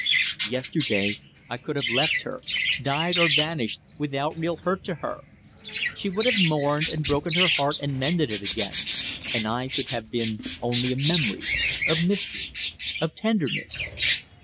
Yesterday I could have left her died or vanished, without real hurt to her. She would have mourned and broken her heart and mended it again; and I should have been only a memory of mystery, of tenderness.